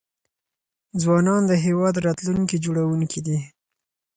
ځوانان د هيواد راتلونکي جوړونکي دي .